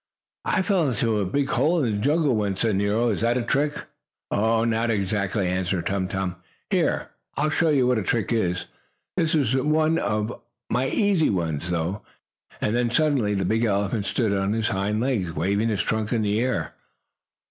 "I fell into a big hole in the jungle once," said Nero. "Is that a trick?" "Not exactly," answered Tum Tum. "Here, I'll show you what a trick is. This is only one of my easy ones, though," and then suddenly the big elephant stood on his hind legs, waving his trunk in the air.